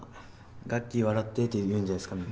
「ガッキー笑って」って言うんじゃないですかね。